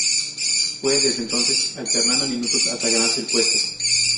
Fue, desde entonces, alternando minutos hasta ganarse el puesto.